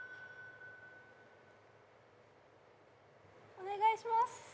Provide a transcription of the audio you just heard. ・お願いします